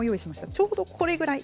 ちょうどこれぐらい。